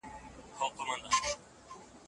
د بحث اصلي موضوع څه ده؟